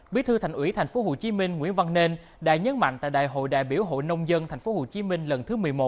bí thư thành ủy tp hcm nguyễn văn nên đã nhấn mạnh tại đại hội đại biểu hội nông dân tp hcm lần thứ một mươi một